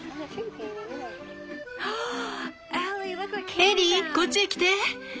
エリーこっちへ来て。